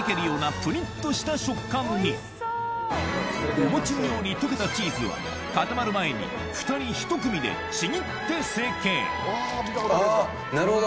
お餅のように溶けたチーズは固まる前に２人１組でちぎって成形あなるほど！